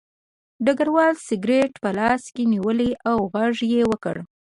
ډګروال سګرټ په لاس کې نیولی و او غږ یې وکړ